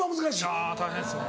あぁ大変ですね。